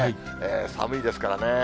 寒いですからね。